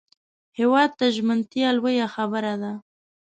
هېواد ته ژمنتیا لویه خبره ده